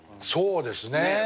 そうですね。